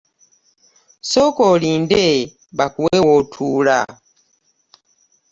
Sooka olinde bakuwe wootuula.